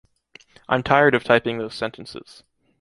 I'm tired of typing those sentences.